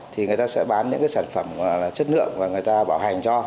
thì người ta sẽ bán những cái sản phẩm chất lượng và người ta bảo hành cho